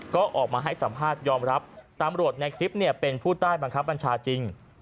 ก็ออกมาให้สัมภาษณ์ยอมรับตำรวจในคลิปเป็นผู้ใต้บังคับบัญชาจริง